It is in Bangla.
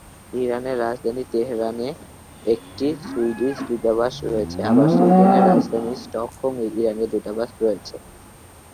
ইরান এর রাজধানী তেহরান এ একটি সুইডিশ দূতাবাস রয়েছে, আবার সুইডেন এর রাজধানী স্টকহোম এ ইরানের দূতাবাস রয়েছে।